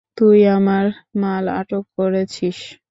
তুই আমার মাল আটক করেছিস।